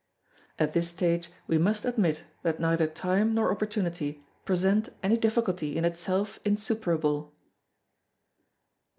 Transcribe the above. At this stage we must admit that neither time nor opportunity present any difficulty in itself insuperable.